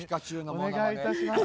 お願いいたします